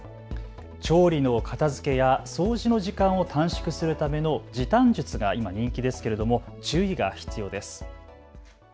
調理の片づけや掃除の時間を短縮するための時短術が今人気ですけれども注意が必要です。